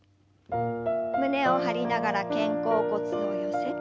胸を張りながら肩甲骨を寄せて。